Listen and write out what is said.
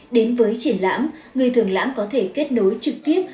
đến với triển lãm người thường lãm có thể kết nối trực tiếp